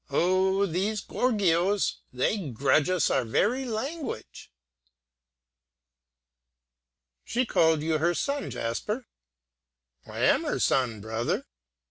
Oh, these gorgios! they grudge us our very language!" "She called you her son, Jasper?" "I am her son, brother."